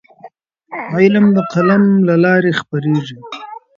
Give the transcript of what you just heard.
علم د قلم له لارې خپرېږي.